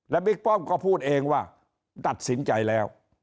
บิ๊กป้อมก็พูดเองว่าตัดสินใจแล้ว